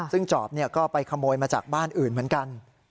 ซึ่งจอบก็ไปขโมยมาจากบ้านอื่นเหมือนกัน